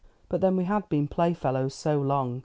"But then we had been playfellows so long.